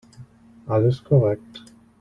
Alles korrekt.